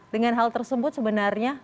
dengan hal tersebut sebenarnya